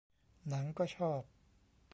หนังก็ชอบ